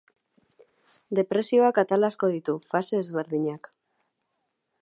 Depresioak atal asko ditu, fase ezberdinak.